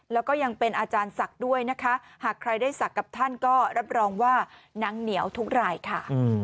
แล้วก็ยังเป็นอาจารย์ศักดิ์ด้วยนะคะ